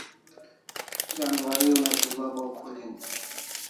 Janwari una shul'a bo khul hin